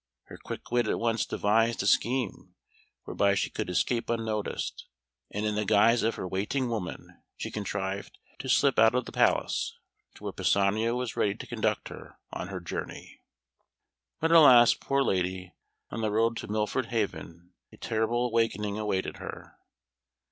Her quick wit at once devised a scheme whereby she could escape unnoticed, and in the guise of her waiting woman she contrived to slip out of the palace to where Pisanio was ready to conduct her on her journey. But alas, poor lady, on the road to Milford Haven a terrible awakening awaited her.